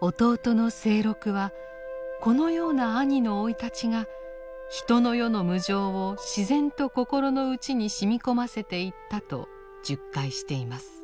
弟の清六はこのような兄の生い立ちが人の世の無常を自然と心の内にしみこませていったと述懐しています。